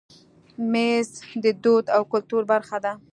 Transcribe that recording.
مېز د دود او کلتور برخه ده.